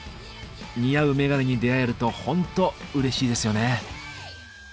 似合うメガネに出会えるとホントうれしいですよね。